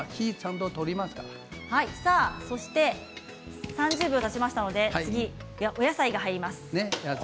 そして３０秒たちましたのでお野菜が入ります。